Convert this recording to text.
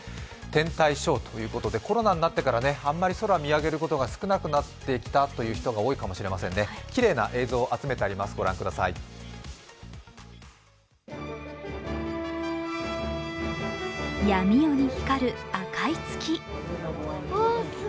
天体ショーということでコロナになってからあまり空を見上げることが少なくなってきたという人が多いかもしれませんね、きれいな映像を集めてあります。